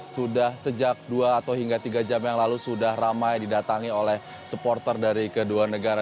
sudah sejak dua atau hingga tiga jam yang lalu sudah ramai didatangi oleh supporter dari kedua negara